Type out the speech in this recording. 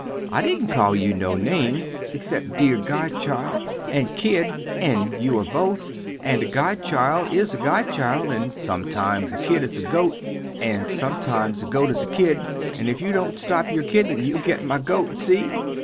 I didnt call you no names excep dere godchild and kid and you are both, and a godchild is a godchild and sometimes a kid is a goat and sometimes a goat is a kid and if you dont stop your kiddin you'll get my goat see?